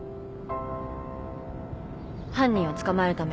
犯人を捕まえるため。